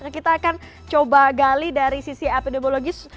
kita akan coba gali dari sisi epidemiologis